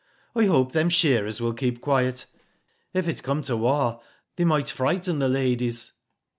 I hope them shearers will keep quiet. If it come to war, they might frighten the ladies."